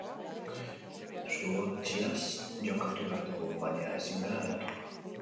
Zuhurtziaz jokatu behar dugu, baina ezin gara geratu.